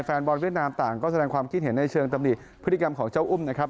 แฟนบอลเวียดนามต่างก็แสดงความคิดเห็นในเชิงตำหนิพฤติกรรมของเจ้าอุ้มนะครับ